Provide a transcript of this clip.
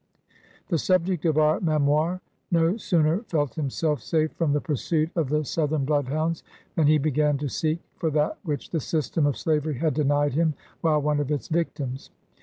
The subject of our memoir no sooner felt himself safe from the pursuit of the Southern bloodhounds, than he began to seek for that which the system of sla very had denied him, while one of its victims.